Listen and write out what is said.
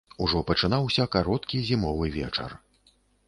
Ужо пачынаўся кароткі зімовы вечар.